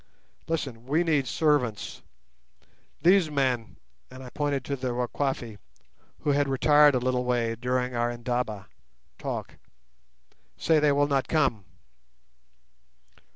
Listen, we need servants. These men," and I pointed to the Wakwafi, who had retired a little way during our "indaba" (talk), "say they will not come."